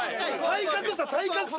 体格差体格差